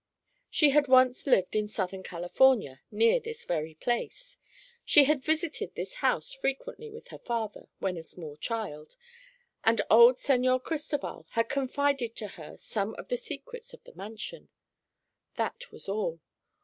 She had once lived in Southern California, near this very place. She had visited this house frequently with her father, when a small child, and old Señor Cristoval had confided to her some of the secrets of the mansion. That was all.